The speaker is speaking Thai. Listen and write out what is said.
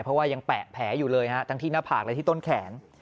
เพราะว่ายังแปะแผลอยู่เลยฮะทั้งที่หน้าผากและที่ต้นแขน